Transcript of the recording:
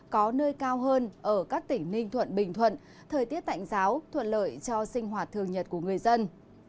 có nơi cao hơn ở các tỉnh ninh thuận bình thuận thời tiết tạnh giáo thuận lợi cho sinh hoạt thường nhật của người dân